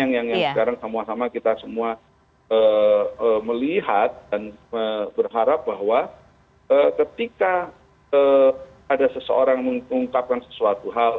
yang sekarang sama sama kita semua melihat dan berharap bahwa ketika ada seseorang mengungkapkan sesuatu hal